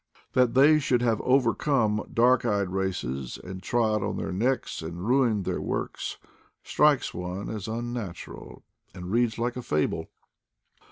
That they should have overcome dark eyed races, and trod on their necks and ruined their works, strikes one as unnatural, and reads like a fable.